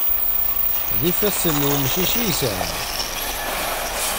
D ifassen n wemcic i yesɛa.